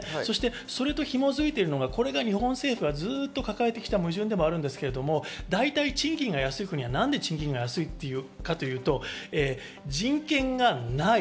それと紐づいているのが日本政府はずっと抱えてきた矛盾でもあるんですが、賃金が安い国はなぜ賃金が安いかというと、人権がない。